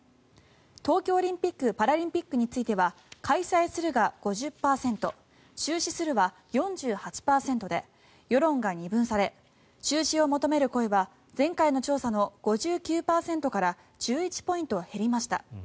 東京オリンピック・パラリンピックについては開催するが５０％中止するは４８％で世論が二分され中止を求める声は前回の調査の５９％から１１ポイント減りました。